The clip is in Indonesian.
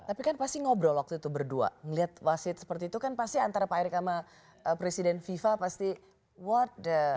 tapi kan pasti ngobrol waktu itu berdua melihat wasit seperti itu kan pasti antara pak erick sama presiden fifa pasti wort the